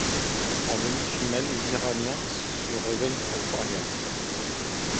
En demi-finale, les Iraniens se révèlent trop coriaces.